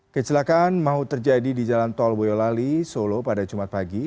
kecelakaan maut terjadi di jalan tol boyolali solo pada jumat pagi